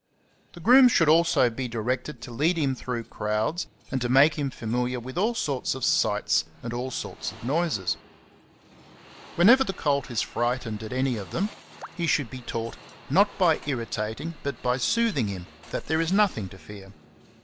The groom should also be directed to lead him through crowds, and to make him familiar with all sorts of sights and all sorts of noises. Whenever the colt is 22 XENOPHON ON HORSEMANSHIP. frightened at any of them, he should be taught, not by irritating but by soothing him, that there is nothing to fear.